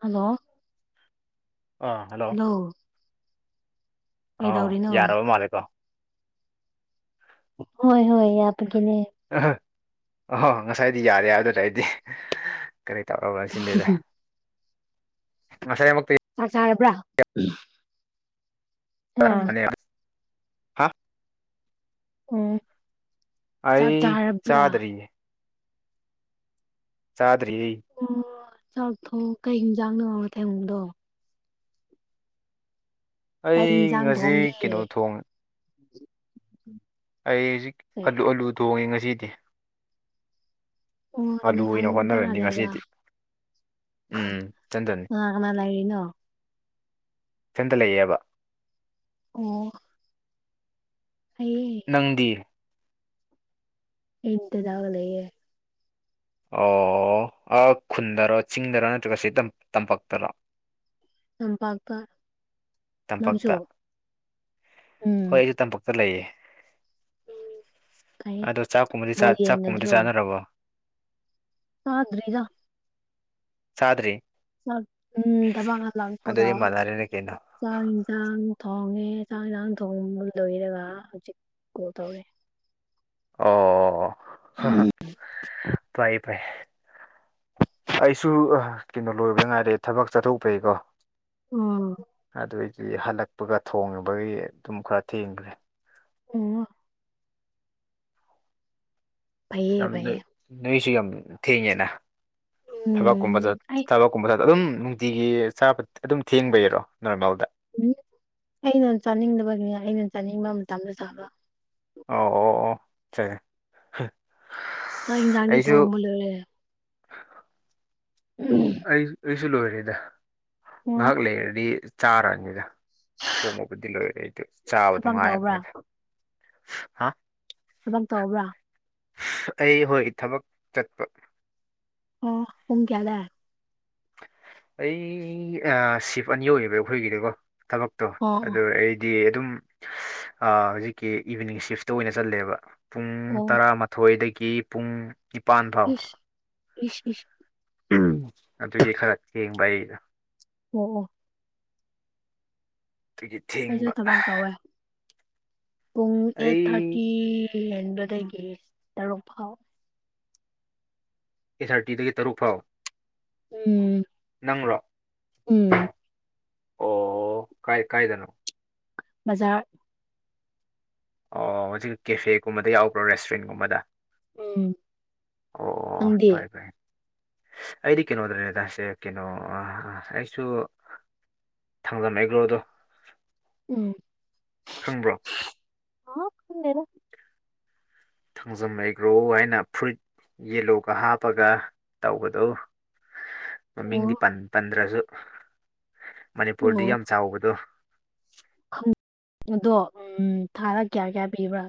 Hello. ꯑ꯫ ꯑꯣ꯫ ꯑ ꯌꯥꯔꯕ ꯃꯥꯜꯂꯦꯀꯣ꯫ ꯍꯣꯏ ꯍꯣꯏ ꯌꯥꯕꯒꯤꯅꯦ ꯑ ꯑꯍꯣ ꯉꯁꯥꯏꯗꯤ ꯌꯥꯔꯦ ꯑꯗꯨꯗ ꯑꯩꯗꯤ ꯀꯔꯤ ꯇꯧꯔꯕ꯭ꯔꯥ ꯁꯤꯅꯤꯗ ꯉꯁꯥꯏꯃꯨꯛꯇꯤ ꯆꯥꯛ ꯆꯥꯔꯕ꯭ꯔꯥ꯫ ꯇꯔ ꯑ ꯃꯅꯦ ꯑꯣ ꯆꯥꯛ ꯑꯩ ꯆꯥꯔꯕ꯭ꯔꯥ ꯆꯥꯗ꯭ꯔꯤꯌꯦ ꯆꯥꯗ꯭ꯔꯤ ꯑꯣ ꯆꯥꯛꯊꯣꯡ ꯀꯩ ꯍꯤꯟꯖꯥꯡꯅꯣ ꯅꯣꯏꯊꯣꯡꯕꯗꯣ ꯑꯩ ꯀꯩ ꯏꯟꯁꯥꯡ ꯉꯁꯤ ꯊꯣꯡꯒꯦ ꯀꯩꯅꯣ ꯊꯣꯡ ꯑꯩ ꯍꯧꯖꯤꯛ ꯀꯩ ꯑꯂꯨ-ꯑꯂꯨ ꯊꯣꯡꯉꯦ ꯉꯁꯤꯗꯤ ꯑꯣ ꯑꯂꯨ ꯑꯣꯏꯅ ꯅꯊꯟ ꯇꯔꯥ ꯍꯣꯠꯅꯔꯅꯤ ꯂꯩꯕ ꯉꯁꯤꯗꯤ ꯎꯝ ꯏꯊꯟꯇꯅꯤ ꯀꯅꯥ ꯀꯅꯥ ꯂꯩꯔꯤꯅꯣ ꯏꯊꯟꯇꯥꯂꯩꯌꯦꯕ ꯑꯣ ꯑꯩꯌꯦ ꯅꯪꯗꯤ ꯑꯩꯗꯗꯒꯂꯩꯌꯦ ꯑꯣ ꯑ ꯈꯨꯟꯗꯔꯣ ꯆꯤꯡꯗꯔꯣ ꯅꯠꯇ꯭ꯔꯒ ꯁꯤ ꯇꯝꯄꯥꯛꯇꯔꯣ ꯂꯝꯄꯥꯛꯇ ꯅꯥꯡꯁꯨ ꯇꯝꯄꯥꯛꯇ ꯍꯣꯏ ꯑꯩꯁꯨ ꯇꯝꯄꯥꯛꯛꯇ ꯂꯩꯌꯦ ꯐꯩꯌꯦ ꯑꯗꯣ ꯕꯣꯜ ꯆꯥꯛꯀꯨꯝꯕꯆꯥꯛꯀꯨꯝꯕꯗꯤ ꯌꯦꯡꯅꯗ꯭ꯔꯣ ꯆꯥꯅꯔꯕꯣ ꯆꯗ꯭ꯔꯤꯗ ꯆꯗ꯭ꯔꯤ ꯎꯝ ꯊꯕꯛ ꯍꯜꯂꯛꯄꯒ ꯃꯥꯟꯅꯔꯦꯅꯦ ꯀꯩꯅꯣ ꯆꯥꯛ ꯌꯦꯟꯁꯥꯡ ꯊꯣꯡꯉꯦ ꯆꯥꯛ ꯌꯦꯟꯁꯥꯡ ꯊꯣꯡꯕ ꯂꯣꯏꯔꯒ ꯍꯧꯖꯤꯛ ꯀꯣꯜ ꯇꯧꯔꯦ ꯑꯣ ꯎꯝ ꯇꯥꯏ ꯐꯩ ꯑꯩꯁꯨ ꯀꯩꯅꯣ ꯂꯣꯏꯕꯗ ꯉꯥꯏꯔꯦ ꯊꯕꯛ ꯆꯠꯊꯣꯛꯄꯩꯀꯣ ꯑꯗꯨꯏꯗꯤ ꯍꯜꯂꯛꯄꯒ ꯊꯣꯡꯉꯤꯕꯒꯤ ꯑꯗꯨꯝ ꯈꯔ ꯊꯦꯡꯈ꯭ꯔꯦ ꯑꯣ ꯐꯩꯌꯦ ꯌꯥꯝ ꯐꯩꯌꯦ ꯅꯣꯏꯁꯨ ꯌꯥꯝ ꯊꯦꯡꯉꯦꯅ ꯊꯕꯛꯀꯨꯝꯕ ꯎꯝ ꯑꯩ ꯊꯕꯛꯀꯨꯝꯕ ꯑꯗꯨꯝ ꯅꯨꯡꯇꯤꯒꯤ ꯆꯥꯕ ꯑꯗꯨꯝ ꯊꯦꯡꯕꯩꯔꯣ ꯅꯣꯔꯃꯦꯜꯗ ꯑꯩꯅ ꯆꯥꯅꯤꯡꯗꯕꯒꯤꯅꯦ ꯑꯩꯅ ꯆꯥꯅꯤꯡꯕ ꯃꯇꯝꯗ ꯆꯥꯕ ꯑꯣ ꯑꯣ ꯑꯣꯆꯥꯏ ꯆꯥꯛ ꯏꯟꯁꯪꯗꯤ ꯑꯩꯁꯨ ꯊꯣꯡꯕꯂꯣꯏꯔꯦ ꯎꯝ ꯑꯩꯑꯩꯁꯨ ꯂꯣꯏꯔꯦꯗ ꯑꯣ ꯉꯥꯏꯍꯥꯛ ꯂꯩꯔꯗꯤ ꯆꯥꯔꯅꯤꯗ ꯊꯣꯡꯕꯕꯨꯗꯤ ꯂꯣꯏꯔꯦꯗ ꯆꯥꯕꯗꯣ ꯊꯕꯛ ꯇꯧꯕ꯭ꯔꯥ ꯉꯥꯏꯑꯕꯅꯦꯗ ꯊꯕꯛ ꯇꯧꯕ꯭ꯔꯥ ꯑꯩ ꯍꯣꯏ ꯊꯕꯛ ꯆꯠꯄ ꯑꯣ ꯄꯨꯡ ꯀꯌꯥꯗ ꯑꯩ ꯁꯤꯐ ꯑꯅꯤ ꯌꯧꯕ ꯑꯩꯈꯣꯏꯒꯤꯗꯤꯀꯣ ꯊꯕꯛꯇꯣ ꯑꯣ ꯑꯣ ꯑꯗꯨꯑꯩ ꯗꯤ ꯑꯗꯨꯝ ꯍꯧꯖꯤꯛꯀꯤ ꯏꯚꯤꯅꯤꯡ ꯁꯤꯐꯇ ꯑꯣꯏꯅ ꯆꯠꯂꯦꯕ ꯄꯨꯡ ꯑꯣ ꯇꯔꯥ ꯊꯣꯏꯗꯒꯤ ꯄꯨꯡ ꯅꯤꯄꯥꯟ ꯏꯁ ꯏꯁ ꯏꯁ ꯎꯝ ꯑꯗꯨꯒꯤ ꯈꯔ ꯊꯦꯡꯕ ꯑꯩꯗ ꯑꯣ ꯑꯣ ꯑꯗꯨꯒꯤ ꯑꯩꯁꯨ ꯊꯦꯡꯕ ꯊꯕꯛ ꯇꯧꯋꯦ ꯄꯨꯡ ꯑꯩꯠ ꯊꯥꯔꯇꯤ ꯍꯦꯟꯕꯗꯒꯤ ꯇꯔꯨꯛ ꯐꯥꯎ ꯑꯩꯠ ꯊꯔꯇꯤꯗꯒꯤ ꯇꯔꯨꯛ ꯐꯥꯎ ꯎꯝ ꯅꯪꯔꯣ ꯎꯝ ꯑꯣ ꯀꯥꯏꯀꯥꯏꯗꯅꯣ ꯃꯖꯥꯔ ꯑꯣ ꯍꯧꯖꯤꯛ ꯀꯦꯐꯦꯒꯨꯝꯕꯗ ꯌꯥꯎꯕ꯭ꯔꯣ ꯔꯦꯁꯇꯨꯔꯦꯟꯒꯨꯝꯕꯗ ꯎꯝ ꯑꯣ ꯅꯪꯗꯤ ꯐꯥꯏ ꯐꯥꯏ ꯑꯩꯗꯤ ꯀꯦꯅꯣꯗꯅꯦꯗꯥꯥꯁꯦ ꯀꯩꯅꯣ ꯑ ꯑꯩꯁꯨ ꯊꯥꯡꯖꯝꯃꯦꯒꯜꯗꯣ ꯎꯝ ꯈꯪꯕ꯭ꯔꯣ ꯎꯃꯦꯔ ꯊꯥꯡꯖꯝ ꯑꯦꯩꯒ꯭ꯔꯣ ꯍꯥꯏꯅ ꯐꯨꯏꯠ ꯌꯦꯜꯂꯣꯒ ꯍꯥꯞꯄꯒ ꯇꯧꯕꯗꯣ [inaudible] ꯃꯃꯤꯡꯗꯤ ꯄꯟꯗ꯭ꯔꯁꯨ ꯃꯅꯤꯄꯨꯔꯗꯤ ꯑꯣ ꯌꯥꯝ ꯆꯥꯎꯕꯗꯣ ꯑꯗꯣ ꯎꯝ ꯊꯥꯗ ꯀꯌꯥ ꯀꯌꯥ ꯄꯤꯕ꯭ꯔꯥ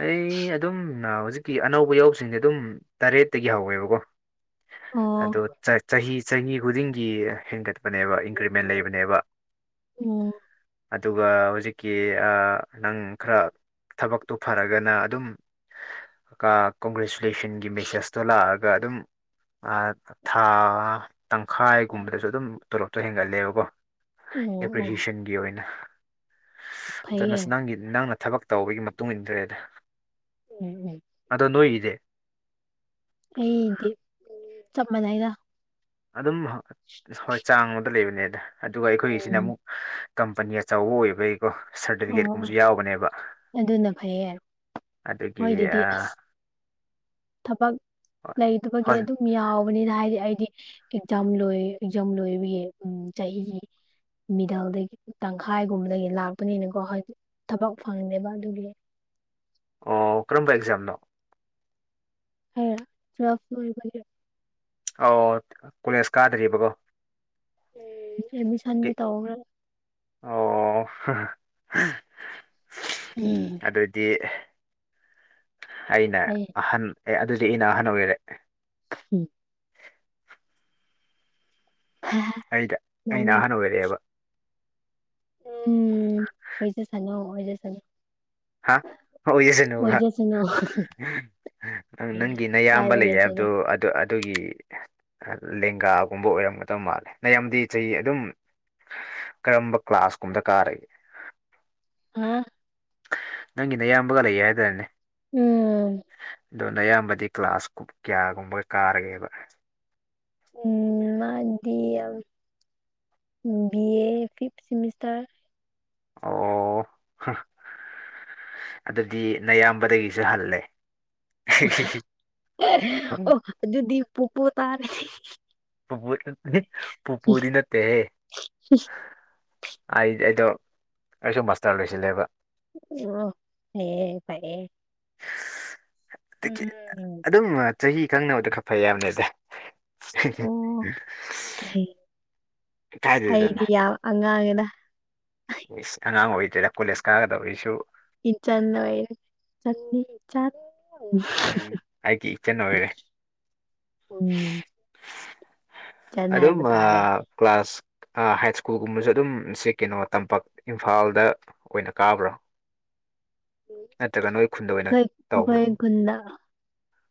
ꯑꯩ ꯑꯗꯨꯝ ꯍꯧꯖꯤꯛꯀꯤ ꯑꯅꯧꯕ ꯌꯥꯎꯁꯤꯡꯁꯦ ꯑꯗꯨꯝ ꯇꯔꯦꯠꯇꯒꯤ ꯍꯧꯋꯦꯕꯀꯣ ꯑꯗꯣ ꯑꯣ ꯆꯥ ꯆꯍꯤ ꯆꯍꯤ ꯈꯨꯗꯤꯡꯒꯤ ꯍꯦꯟꯒꯠ ꯄꯥꯅꯦꯕ ꯏꯟꯀ꯭ꯔꯤꯃꯦꯟ ꯂꯩꯕꯅꯦꯕ ꯎꯝ ꯑꯗꯨꯒ ꯍꯨꯖꯤꯛꯀꯤ ꯑꯥ ꯅꯪ ꯈꯔ ꯊꯕꯛ ꯇꯨ ꯐꯔꯒꯅ ꯑꯗꯨꯝ ꯀ ꯀꯣꯡꯒ꯭ꯔꯦꯆꯨꯂꯦꯁꯟꯒꯤ ꯃꯦꯁꯦꯁꯇꯣ ꯂꯥꯛꯑꯒ ꯑꯗꯨꯝ ꯑꯥ ꯊꯥ ꯉꯥ ꯇꯪꯈꯥꯏꯒꯨꯝꯕꯗꯁꯨ ꯑꯗꯨꯝ ꯇꯣꯂꯣꯞꯇꯣ ꯍꯦꯟꯒꯠꯂꯦꯕꯀꯣ ꯑꯣ ꯑꯣ ꯑꯦꯄ꯭ꯔꯤꯁꯤꯌꯦꯁꯟꯒꯤ ꯑꯣꯏꯅ ꯐꯩꯌꯦ ꯗꯅꯁ ꯅꯪꯒꯤ ꯅꯪꯅ ꯊꯕꯛ ꯇꯧꯕꯒꯤ ꯃꯇꯨꯡ ꯏꯟꯗ꯭ꯔꯦꯗ ꯎꯝ ꯎꯝ ꯑꯗꯣ ꯅꯣꯏꯒꯤꯗꯤ ꯑꯩꯗꯤ ꯆꯞ ꯃꯥꯟꯅꯩꯗ ꯑꯗꯨꯝ ꯍꯣꯏ ꯆꯥꯡꯃꯗ ꯂꯩꯕꯅꯦꯗ ꯑꯗꯨꯒ ꯑꯩꯈꯣꯏꯒꯤꯁꯤꯅ ꯎꯝ ꯑꯃꯨꯛ ꯀꯝꯄꯅꯤ ꯑꯆꯧꯕ ꯑꯣꯏꯕꯩ ꯔꯣ ꯑꯣ ꯁꯥꯔꯇꯤꯐꯤꯀꯦꯠꯀꯨꯝꯕꯁꯨ ꯑꯣ ꯌꯥꯎꯕꯅꯦꯕ ꯑꯗꯨꯅ ꯐꯩꯌꯦ ꯑꯗꯨꯒꯤ ꯍꯣꯏꯗꯗꯤ ꯑꯥ ꯑꯁ ꯊꯕꯛ ꯂꯩꯇꯥꯕꯒꯤ ꯍꯣꯏ ꯑꯗꯨ ꯌꯥꯎꯕꯅꯤꯅ ꯍꯥꯏꯗꯤ ꯑꯩꯗꯤ ꯑꯦꯛꯖꯥꯝ ꯂꯣꯏ ꯑꯦꯛꯖꯥꯝ ꯂꯣꯏꯕꯒꯤ ꯎꯝ ꯆꯍꯤ ꯃꯤꯗꯜꯗꯒꯤ ꯇꯪꯈꯥꯏꯒꯨꯝꯕꯗꯒꯤ ꯂꯥꯛꯄꯅꯤꯅꯀꯣ ꯍꯣꯏ ꯊꯕꯛ ꯐꯪꯗꯦꯕ ꯑꯗꯨꯒꯤ ꯑꯣ ꯀꯔꯝꯕ ꯑꯦꯛꯖꯥꯝꯅꯣ [unintelligible] ꯑꯧ ꯀꯣꯂꯦꯖ ꯀꯥꯗ꯭ꯔꯤꯕꯀꯣ ꯎꯝ ꯑꯦꯗꯃꯤꯁꯟꯗꯤ ꯇꯧꯈ꯭ꯔꯦꯕ ꯑꯣ ꯎꯝ ꯑꯗꯨꯗꯤ ꯑꯩꯅ ꯂꯩ ꯑꯍꯟ ꯑꯦ ꯑꯗꯨꯁꯨ ꯑꯩꯅ ꯑꯍꯟ ꯑꯣꯏꯔꯦ ꯎꯝ ꯑꯩꯗ ꯑꯩꯅ ꯅꯣꯛꯅꯤꯡ ꯑꯍꯟ ꯑꯣꯏꯔꯛꯑꯦꯕ ꯎꯝ ꯑꯣꯏꯖꯥꯁꯅꯨ ꯑꯣꯏꯖꯥꯁꯅꯨ ꯍꯥ ꯑꯣꯏꯖꯥꯁꯅꯨꯕ ꯑꯣꯏꯖꯁꯅꯨ ꯅꯪ ꯅꯪꯒꯤ ꯅꯌꯥꯝꯕ ꯀꯥꯏꯕ ꯂꯩꯌꯦ ꯂꯩꯇꯦꯗ ꯍꯥꯏꯕꯗꯣ ꯑꯗꯨ ꯑꯠ ꯇꯨꯒꯤ ꯑꯥ ꯂꯦꯡꯒꯥꯒꯨꯝꯕ ꯑꯣꯏꯔꯝꯒꯗꯕ ꯃꯥꯜꯂꯦ ꯅꯌꯥꯝꯗꯤ ꯆꯍꯤ ꯑꯗꯨꯝ ꯀꯔꯝꯕ ꯀ꯭ꯂꯥꯁ ꯀꯨꯝꯗ ꯀꯥꯔꯛꯏ ꯍꯥ ꯅꯪꯒꯤ ꯅꯌꯥꯝꯕꯒ ꯂꯩꯌꯦ ꯍꯥꯏꯗꯥꯏꯅꯦ ꯎꯝ ꯑꯗꯨ ꯅꯌꯥꯝꯕꯗꯤ ꯀ꯭ꯂꯥꯁ ꯀꯨꯞ ꯀꯌꯥꯒꯨꯝꯕꯒ ꯀꯥꯔꯒꯦꯕ ꯎꯝ ꯃꯥꯗꯤ ꯌꯥꯝ ꯎꯝ ꯕꯤꯌꯦ ꯐꯤꯐ ꯁꯤꯃꯤꯁꯇꯔ ꯑꯣ ꯍꯥ ꯑꯗꯨꯗꯤ ꯅꯌꯥꯝꯕꯗꯒꯤꯁꯨ ꯍꯜꯂꯦ ꯑꯣ ꯑꯗꯨꯗꯤ ꯄꯨꯄꯨ ꯇꯥꯔꯦ ꯄꯨꯄꯨ ꯄꯨꯄꯨꯗꯤ ꯅꯠꯇꯦꯍꯦ ꯑꯩꯗꯤ ꯑꯩꯗꯣ ꯑꯩꯁꯨ ꯃꯥꯁꯇꯔ ꯂꯣꯏꯁꯤꯜꯂꯦꯕ ꯑꯣ ꯅꯩꯌꯦ ꯐꯩꯌꯦ ꯎꯝ ꯑꯗꯨꯝ ꯆꯍꯤ ꯈꯪꯅꯕꯗꯨ ꯈꯔ ꯐꯩ ꯍꯥꯏꯕꯅꯤꯗ [inaudible] ꯑꯣ ꯀꯥꯏꯗꯩꯗꯅꯣ ꯑꯩꯗꯤ ꯌꯥꯝ ꯑꯉꯥꯡꯌꯦꯗ ꯏꯁ ꯑꯉꯥꯡ ꯑꯣꯏꯗ꯭ꯔꯦꯗ ꯀꯣꯂꯦꯖ ꯀꯥꯒꯗꯧꯔꯤꯁꯨ ꯏꯟꯇꯟ ꯂꯣꯢꯔ ꯆꯥꯅꯤ ꯎꯝ [unintelligible] ꯑꯩꯒꯤ ꯏꯆꯟ ꯑꯣꯏꯔꯦ ꯎꯝ ꯏꯆꯟ ꯑꯗꯨꯝ ꯍꯥꯏꯕ ꯃꯥ ꯇꯥꯔꯦ ꯀ꯭ꯂꯥꯁ ꯑ ꯍꯥꯏꯠ ꯁ꯭ꯀꯨꯜꯒꯨꯝꯕꯁꯨ ꯑꯗꯨꯝ ꯁꯦ ꯀꯦꯅꯣ ꯇꯝꯄꯥꯛ ꯏꯝꯐꯥꯜꯗ ꯑꯣꯏꯅ ꯀꯥꯕ꯭ꯔꯣ ꯅꯠꯇ꯭ꯔꯒ ꯅꯣꯏ ꯈꯨꯟꯗ ꯑꯣꯏꯅ ꯑꯩꯈꯣꯏ ꯑꯈꯣꯏ ꯈꯨꯟꯗ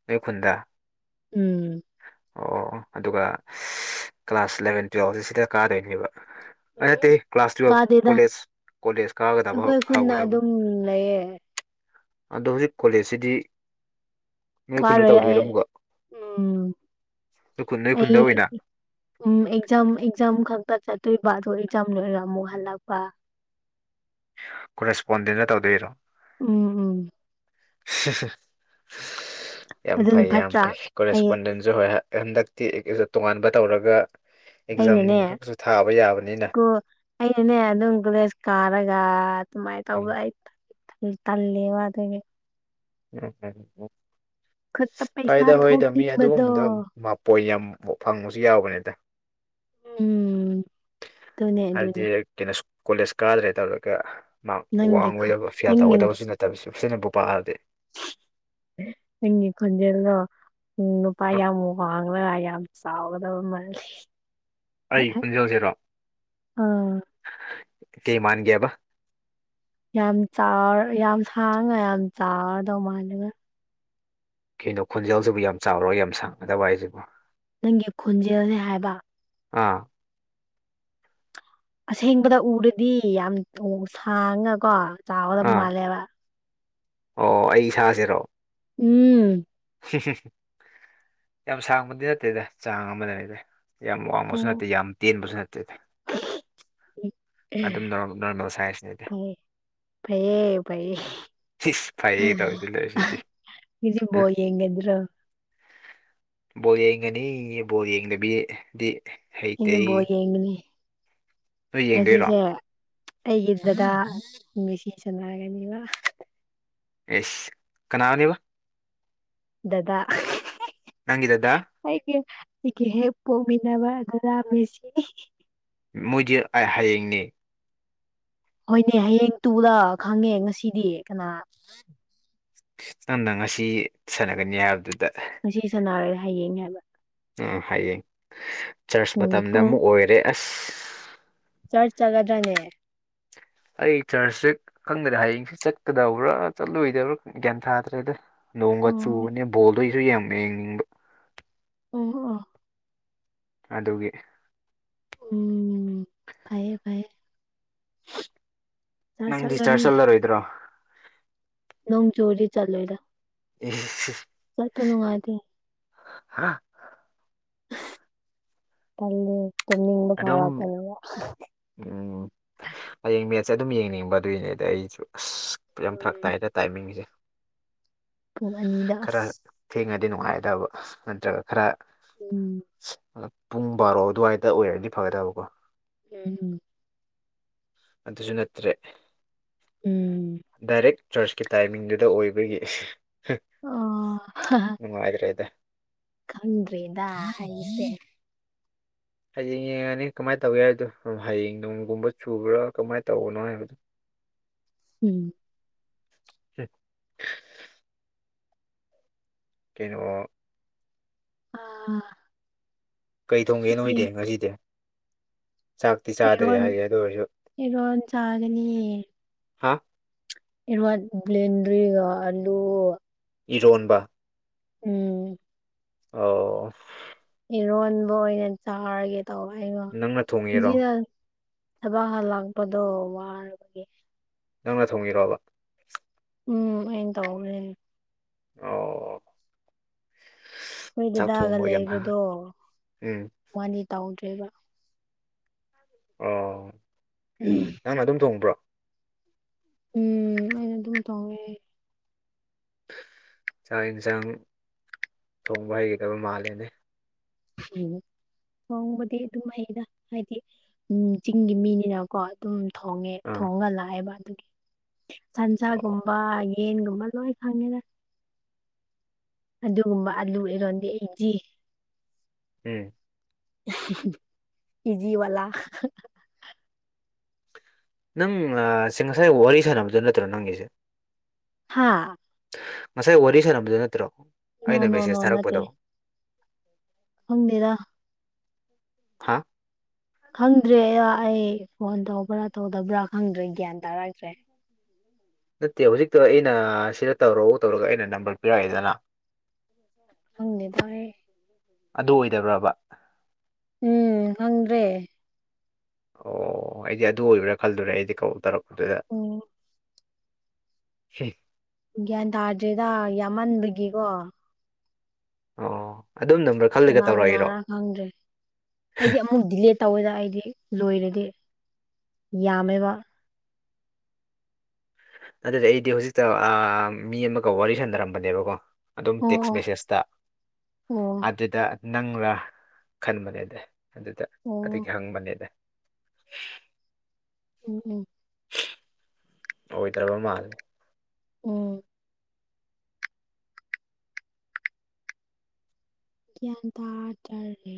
ꯑꯣꯏ ꯈꯨꯨꯟꯗ ꯎꯝ ꯑꯣ-ꯑꯣ ꯑꯗꯨꯒ ꯀ꯭ꯂꯥꯁ ꯏꯂꯚꯦꯟ ꯇꯨꯋꯦꯜꯞꯁꯦ ꯁꯤꯗ ꯀꯥꯗꯣꯏꯅꯦꯕ ꯑꯩ ꯅꯠꯇ ꯎꯝ ꯀ꯭ꯂꯥꯁ ꯇꯨꯋꯜꯞ ꯀꯥꯗꯦꯗ ꯀꯣꯂꯦꯖ-ꯀꯣꯂꯦꯖ ꯀꯥꯒꯗꯕ ꯑꯩꯈꯣꯏ ꯈꯨꯟꯗ ꯍꯧꯒꯗꯕꯅꯤ ꯑꯗꯨꯝ ꯂꯩꯌꯦ ꯑꯗꯣ ꯍꯧꯖꯤꯛ ꯀꯣꯂꯦꯖꯁꯤꯗꯤ ꯅꯣꯏ ꯈꯨꯟꯗ ꯀꯥꯔꯣꯏ ꯇꯧꯗꯣꯏꯔ ꯑꯩ ꯑꯃꯨꯛꯀ ꯎꯝ ꯅꯣꯏ ꯈꯨꯟ ꯅꯣꯏ ꯑꯩ ꯈꯨꯟꯗ ꯑꯣꯏꯅ ꯎꯝ ꯑꯦꯛꯖꯥꯝ ꯑꯦꯛꯖꯥꯝ ꯈꯛꯇ ꯆꯠꯇꯣꯏꯕ ꯑꯗꯣ ꯑꯦꯛꯖꯥꯝ ꯂꯣꯏꯔ ꯑꯃꯨꯛ ꯍꯜꯂꯛꯄ ꯀꯣꯔ꯭ꯁꯄꯣꯟꯗꯦꯟꯗ ꯇꯧꯗꯣꯏꯔꯣ ꯎꯝ ꯎꯝ ꯌꯥꯝ ꯑꯗꯨꯅ ꯐꯩ ꯌꯥꯝ ꯐꯠꯇ꯭ꯔꯥ ꯐꯩ ꯑꯩ ꯀꯣꯔꯦꯁꯄꯣꯟꯗꯁ ꯍꯣꯏ ꯍꯟꯗꯛꯇꯤ ꯇꯣꯉꯥꯟꯕ ꯇꯧꯔꯒ ꯑꯦꯛꯖꯥꯝ ꯅꯨꯡ ꯑꯩꯅꯅꯦ ꯈꯛꯁꯨ ꯊꯥꯕ ꯌꯥꯕꯅꯤꯅ ꯑꯅꯦ ꯑꯗꯨꯝ ꯀꯣꯂꯦꯖ ꯀꯥꯔꯒ ꯑꯗꯨꯃꯥꯏꯅ ꯇꯧꯕ ꯎꯝ ꯇꯜꯂꯦꯕ ꯑꯗꯨꯒꯤ ꯎꯝ-ꯎꯝ-ꯎꯝ-ꯎꯝ ꯈꯨꯠꯇ ꯄꯩꯁꯥ ꯐꯏꯗ ꯍꯣꯏꯗ ꯃꯤ ꯊꯣꯛꯅꯤꯡꯕꯗꯣ ꯑꯗꯨꯒꯨꯝꯕꯗꯣ ꯄꯣꯏꯟ ꯌꯥꯝ ꯐꯪꯕꯁꯨ ꯌꯥꯎꯕꯅꯤꯗ ꯎꯝ ꯑꯗꯨꯅꯦ ꯑꯗꯨꯅꯦ ꯍꯥꯏꯕꯗꯤ ꯀꯩꯅꯣ ꯀꯣꯂꯦꯖ ꯀꯥꯗ꯭ꯔꯦ ꯇꯧꯔꯒ ꯃꯥ ꯅꯪꯒꯤ ꯋꯥꯡꯉꯣꯏꯗꯕ ꯐꯦꯜ ꯅꯪꯒꯤ ꯇꯧꯒꯣꯏꯗꯕꯁꯨ ꯅꯠꯇꯦ ꯇꯁꯨ ꯐꯖꯟꯅꯕꯨ ꯄꯥꯔꯗꯤ ꯅꯪꯒꯤ ꯈꯣꯟꯖꯦꯜꯗꯣ ꯅꯨꯄꯥ ꯑ, ꯌꯥꯝ ꯋꯥꯡꯂꯒ ꯌꯥꯝ ꯆꯥꯎꯒꯗꯕ ꯃꯥꯜꯂꯦ ꯑꯩ ꯈꯨꯣꯟꯖꯦꯜꯁꯤꯔꯣ ꯑꯥ ꯀꯩ ꯃꯥꯟꯒꯦꯕ ꯌꯥꯝ ꯆꯥꯎ ꯌꯥꯝ ꯁꯥꯡꯅ ꯌꯥꯝ ꯆꯥꯎꯗꯧ ꯃꯥꯜꯂꯦꯕ ꯀꯩꯅꯣ ꯈꯣꯟꯖꯦꯜꯁꯤꯕꯨ ꯌꯥꯝ ꯆꯥꯎꯔꯣꯏ ꯌꯥꯝ ꯁꯥꯡꯒꯗꯕ ꯍꯥꯏꯁꯤꯕꯨ ꯅꯪꯒꯤ ꯈꯣꯟꯖꯦꯜꯅꯤ ꯍꯥꯏꯕ ꯑꯥ ꯑꯁꯦꯡꯕꯗ ꯎꯔꯗꯤ ꯌꯥꯝ ꯁꯥꯡꯉ ꯀꯣ ꯆꯥꯎꯒꯗꯕ ꯑꯥ ꯃꯥꯜꯂꯦꯕ ꯑꯣ ꯑꯩ ꯏꯁꯁꯤꯔꯣ ꯎꯝ ꯌꯥꯝ ꯁꯥꯡꯕꯗꯤ ꯅꯠꯇꯦꯗ ꯆꯥꯡ ꯑꯃꯗ ꯅꯦꯗ ꯌꯥꯝ ꯋꯥꯡꯕꯁꯨ ꯅꯠꯇꯦ ꯌꯥꯝ ꯇꯦꯟꯕꯁꯨ ꯅꯠꯇꯦ ꯎꯝ ꯑꯗꯨꯝ ꯅꯣꯔꯃꯦꯜ ꯁꯥꯏꯖꯅꯤꯗꯤ ꯐꯩꯌꯦ ꯐꯩꯌꯦ ꯏꯁ ꯐꯩꯌꯦ ꯇꯧꯔꯤꯁꯤ ꯂꯩꯔꯤꯁꯤꯗꯤ ꯕꯣꯜ ꯌꯦꯡꯒꯗ꯭ꯔꯣ ꯕꯣꯜꯌꯦꯡꯒꯅꯤ ꯕꯣꯜꯌꯦꯡꯗꯕꯤꯗꯤ ꯏꯗꯣ ꯕꯣꯜꯌꯦꯉꯅꯤ ꯅꯣꯏ ꯌꯦꯡꯗꯣꯏꯔꯣ ꯉꯁꯤꯁꯦ ꯑꯩꯒꯤ ꯗꯥꯗꯥ ꯉꯁꯤ ꯁꯥꯟꯅꯥꯒꯅꯤꯕ ꯌꯦꯁ ꯀꯅꯥꯅꯦꯕ ꯗꯗꯥ ꯅꯪꯒꯤ ꯗꯗꯥ ꯑꯩꯒꯤ ꯑꯩꯒꯤ ꯍꯦꯛ ꯄꯣꯛꯃꯤꯟꯅꯕ ꯗꯗꯥ ꯃꯤꯁꯤ ꯃꯣꯏꯗꯤ ꯍꯌꯦꯡꯅꯤ ꯍꯣꯏꯅꯦ ꯍꯌꯦꯡ ꯇꯨꯗ ꯈꯪꯉꯦ ꯉꯁꯤꯗꯤ ꯀꯅꯥ ꯅꯪꯗ ꯉꯁꯤ ꯁꯥꯟꯅꯒꯅꯤ ꯍꯥꯏꯕꯗꯨꯗ ꯉꯁꯤ ꯁꯥꯟꯅꯔꯣꯏ ꯍꯌꯦꯡꯉꯦ ꯍꯥꯏꯕ ꯑ ꯍꯌꯦꯡ ꯆꯔꯆ ꯎꯝ ꯃꯇꯝꯗ ꯑꯃꯨꯛ ꯑꯣꯏꯔꯦ ꯑꯁ ꯆꯔ ꯆꯒꯗꯅꯦ ꯑꯩ ꯆꯔꯆꯁꯦ ꯈꯪꯗ꯭ꯔꯦ ꯍꯌꯦꯡꯁ ꯆꯠꯀꯗꯕ꯭ꯔꯥ ꯆꯠꯂꯨꯗꯕ꯭ꯔꯥ ꯒ꯭ꯌꯥꯟ ꯊꯥꯗ꯭ꯔꯦꯗ ꯂꯣꯡꯒꯆꯨ ꯑꯣ ꯕꯣꯜꯗꯣꯏꯁꯨ ꯌꯥꯝꯃꯦ ꯌꯦꯡꯅꯤꯡꯕ ꯑꯣ ꯑꫭ ꯑꯗꯨꯒꯤ ꯎꯝ ꯐꯌꯦ ꯐꯌꯦ ꯅꯪ ꯗꯤ ꯆꯔꯖ ꯆꯠꯂꯔꯣꯏꯗ꯭ꯔꯣ ꯅꯣꯡ ꯆꯨꯔꯗꯤ ꯆꯠꯂꫭꯏꯗ ꯍꯥ [unintelligible] ꯇꯜꯂꯦ ꯇꯨꯝꯅꯤꯡꯕ‌ ꯑꯗꯨꯝ ꯐꯔꯇꯅꯕ [unintelligible] ꯍꯌꯦꯡ ꯃꯦꯠꯁꯦ ꯑꯗꯨꯝ ꯌꯦꯡꯅꯤꯡꯕ ꯑꯗꯨꯏꯅꯦꯗꯥ ꯑꯩꯁꯨ ꯑꯁ ꯌꯥꯝ ꯐꯔꯛ ꯎꯝ ꯇꯥꯏꯗ ꯇꯥꯏꯃꯤꯡꯖꯦ ꯄꯨꯡ ꯑꯅꯤꯗ ꯈꯔ ꯑꯁ ꯊꯦꯡꯉꯗꯤ ꯅꯨꯡꯉꯥꯏꯗꯕ ꯅꯠꯇ꯭ꯔꯒ ꯈꯔ ꯎꯝ ꯄꯨꯡ ꯕꯥꯔꯣ ꯑꯗꯨꯋꯥꯏꯗ ꯑꯣꯏꯔꯗꯤ ꯐꯒꯗꯕꯀꯣ ꯍꯝ ꯍꯝ ꯑꯗꯨꯁꯨ ꯅꯠꯇ꯭ꯔꯦ ꯎꯝ ꯗꯥꯏꯔꯦꯛ ꯆꯔꯁꯀꯤ ꯇꯥꯏꯃꯤꯡꯗꯨꯗ ꯑꯣꯏꯕꯒꯤ ꯑꯣ ꯅꯨꯡꯉꯥꯏꯗ꯭ꯔꯦꯗ ꯈꯪꯗꯔꯦꯗ ꯑꯩꯖꯦ ꯍꯌꯦꯡ ꯌꯦꯡꯉꯅꯤ ꯀꯃꯥꯏꯅ ꯇꯧꯋꯦ ꯍꯥꯏꯕꯗꯣ ꯍꯌꯦꯡ ꯅꫭꯡꯒꯨꯝꯕ ꯆꯨꯕ꯭ꯔꯥ ꯀꯃꯥꯏꯅ ꯇꯧꯕꯅꯣ ꯍꯥꯏꯕꯗꯣ ꯎꯝ ꯀꯩꯅꯣ ꯑꯥ ꯀꯩ ꯊꯣꯡꯒꯦ ꯑꯩꯗꯤ ꯅꯣꯏꯗꯤ ꯉꯁꯤꯗꯤ ꯆꯥꯛꯇꯤ ꯆꯥꯗ꯭ꯔꯦ ꯏꯔꯣꯟ ꯍꯥꯏꯌꯦ ꯑꯗꯨ ꯑꯣꯏꯔꯁꯨ ꯏꯔꯣꯟ ꯆꯥꯒꯅꯤ ꯍꯥ ꯏꫪꫭꯟ ꯕ꯭ꯂꯟꯗꯔꯤꯒ ꯑꯜꯂꯨ ꯏꯔꯣꯟꯕ ꯎꯝ ꯑꯣ ꯏꯔꯣꯟꯕ ꯑꯣꯏꯅ ꯆꯥꯔꯒꯦ ꯇꯧꯕ ꯅꯪꯅ ꯊꯣꯡꯉꯤꯔꯣ ꯑꯩꯩꯅꯗ ꯊꯕꯛ ꯍꯜꯂꯥꯛꯄꯗꯣ ꯋꯥꯔꯕꯒꯤ ꯅꯪꯅ ꯊꯣꯉꯤꯔꯣꯕ ꯎꯝ ꯑꯩꯅ ꯇꯧꯋꯦ ꯑꯣ ꯑꯩꯈꯣꯏ ꯆꯥꯛ ꯗꯗꯥꯒ ꯊꯣꯡꯕ ꯌꯥꯝ ꯂꯩꯕꯗꯣ ꯎꯝ ꯃꫭꯅꯤ ꯇꯧꯗ꯭ꯔꯦꯕ ꯑꯣ [unintelligible] ꯅꯪꯅ ꯑꯗꯨꯝ ꯊꫭꯡꯕ꯭ꯔꯣ ꯎꯝ ꯑꯩꯅ ꯑꯗꯨꯝ ꯊꫭꯡꯉꯦ ꯆꯥꯛ ꯌꯦꯟꯁꯥꯡ ꯊꯣꯡꯕ ꯍꯩꯒꯗꯕ ꯃꯥꯜꯂꯦꯅꯦ ꯎ ꯊꫭꯡꯕꯗꯤ ꯑꯗꯨꯝ ꯑꯩꯅ ꯍꯥꯏꯗꯤ ꯎ ꯆꯤꯡꯒꯤ ꯃꯤꯅꯤꯅ ꯀꯣ ꯑꯗꯨꯝ ꯊꯣꯡꯉꯦ ꯑꯥ ꯊꯣꯡꯉ ꯂꯥꯛꯑꯦꯕ ꯑꯗꯨꯒꯤ ꯑꯣ ꯁꯟꯁꯥꯒꯨꯝꯕ ꯌꯦꯟꯒꯨꯝꯕ ꯂꯣꯏ ꯈꯪꯉꯦꯗ ꯑꯗꯨꯒꯨꯝꯕ ꯑꯂꯨ ꯏꯔꯣꯟꯗꯤ ꯑꯩꯗꯤ ꯑꯦ ꯀꯦꯖꯤ ꯋꯂꯥ ꯅꯪꯁꯦ ꯉꯁꯥꯏ ꯋꯥꯔꯤ ꯁꯥꯟꯅꯕꯗꯨ ꯅꯠꯇ꯭ꯔ ꯅꯪꯒꯤꯁꯦ ꯍꯥꯥ ꯉꯁꯥꯏ ꯋꯥꯔꯤ ꯁꯥꯟꯅꯕꯗꯨ ꯅꯠꯇ꯭ꯔꯣ ꯅꯣ ꯑꯩꯅ ꯅꯣ ꯅꯣ ꯃꯦꯁꯦꯖ ꯅꯠꯇꯦ ꯊꯥꯔꯛꯄꯗꯣ ꯈꯪꯗꯦꯗ ꯍꯥꯥ ꯈꯪꯗ꯭ꯔꯦ ꯑꯩ ꯐꯣꯟ ꯇꯧꯕ꯭ꯔꯥ ꯇꯧꯗꯕ꯭ꯔꯥ ꯈꯪꯗ꯭ꯔꯦ ꯒ꯭ꯌꯥꯟ ꯇꯥꯔꯛꯇ꯭ꯔꯦ ꯅꯠꯇꯦ ꯍꯧꯖꯤꯛꯇꯣ ꯑꯩꯅ ꯁꯤꯗ ꯇꯧꯔꯛꯎ ꯇꯧꯔꯒ ꯑꯩꯅ ꯅꯝꯕꯔ ꯄꯤꯔꯛꯑꯦꯗꯅ ꯑꯪꯅꯤꯗ ꯑꯗꯨ ꯑꯣꯏꯗꯕ꯭ꯔꯕ ꯎꯝ ꯐꯪꯗ꯭ꯔꯦ ꯑꯣ ꯑꯩꯗꯤ ꯑꯗꯨ ꯑꯣꯏꯕ꯭ꯔꯥ ꯈꯜꯗꯨꯔꯦ ꯑꯩꯗꯤ ꯀ ꯇꯧꯔꯛꯄꯗꯨꯗ ꯎꯝ ꯁꯤ ꯒ꯭ꯌꯥꯟ ꯇꯥꯗ꯭ꯔꯦꯗ ꯌꯥꯝꯃꯟꯕꯗꯒꯤꯀꯣ ꯑꯣ ꯑꯗꯨꯝ ꯅ ꯑꯃꯛ ꯀꯅꯥ ꯀꯅꯥꯅ ꯈꯪꯗ꯭ꯔꯦ ꯑꯩꯗꯤ ꯑꯗꯨ ꯗꯤꯂꯦ ꯇꯧꯋꯦꯗ ꯑꯩꯗꯤ ꯂꯣꯏꯔꯗꯤ ꯌꯥꯝꯃꯦꯕ ꯑꯗꯨꯗꯤ ꯑꯩꯗꯤ ꯍꯧꯖꯤꯛꯇ ꯑ ꯃꯤ ꯑꯃꯒ ꯋꯥꯔꯤ ꯁꯥꯟꯅꯔꯝꯕꯅꯦꯕꯀꯣ ꯑꯗꯨꯝ ꯑꯣ ꯇꯦꯛꯁ ꯑꯣ ꯕꯦꯁꯤꯁꯇ ꯑꯣ ꯑꯗꯨꯗ ꯅꯪꯂꯥ ꯈꯟꯕꯅꯦꯗ ꯑꯗꯨꯗ ꯑꯣ ꯑꯗꯨꯒꯤ ꯍꯪꯕꯅꯦꯗ ꯎꯝ ꯎꯝ ꯑꯣꯏ ꯑꯣꯏ ꯇꯔꯕ ꯃꯥꯜꯂꯦ ꯑꯣ ꯀꯌꯥꯟ ꯇ ꯇꯔꯦ